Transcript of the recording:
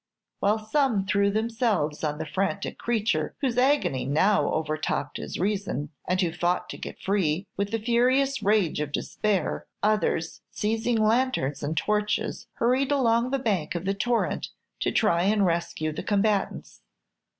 While some threw themselves on the frantic creature, whose agony now overtopped his reason, and who fought to get free, with the furious rage of despair, others, seizing lanterns and torches, hurried along the bank of the torrent to try and rescue the combatants.